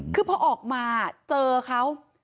คือพอออกมาเจอเขา